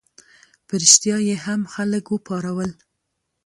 په ریشتیا یې هم خلک وپارول.